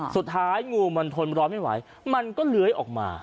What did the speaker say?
สุดท้ายงูมันทนร้อนไม่ไหวมันก็เลื้อยออกมา